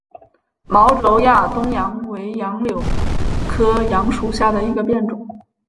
毛轴亚东杨为杨柳科杨属下的一个变种。